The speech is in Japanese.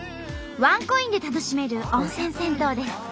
ワンコインで楽しめる温泉銭湯です。